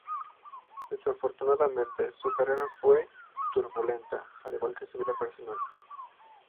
Desafortunadamente, su carrera fue turbulenta, al igual que su vida personal.